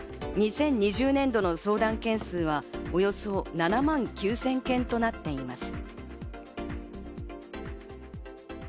２０２０年度の相談件数は、およそ７万９０００件となっています。